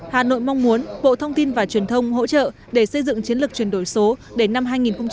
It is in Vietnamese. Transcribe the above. hà nội mong muốn bộ thông tin và truyền thông hỗ trợ để xây dựng chiến lực chuyển đổi số để năm hai nghìn hai mươi sáu